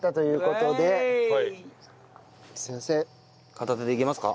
片手でいけますか？